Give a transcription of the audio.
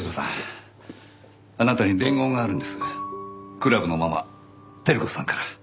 クラブのママ輝子さんから。